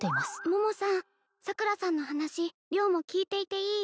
桃さん桜さんの話良も聞いていていい？